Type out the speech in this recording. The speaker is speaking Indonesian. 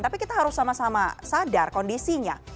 tapi kita harus sama sama sadar kondisinya